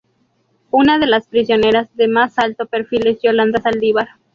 Una de las prisioneras de más alto perfil es Yolanda Saldívar.